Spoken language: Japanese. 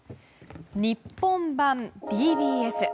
日本版ＤＢＳ。